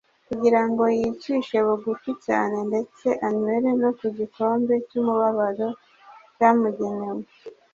kugira ngo yicishe bugufi cyane ndetse anywere no ku gikombe cy'umubabaro cyamugenewe.